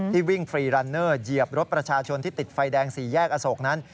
วิ่งฟรีรันเนอร์เหยียบรถประชาชนที่ติดไฟแดง๔แยกอโศกนั้น